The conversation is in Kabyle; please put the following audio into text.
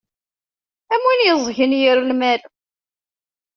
Am win yeẓgen yir lmal.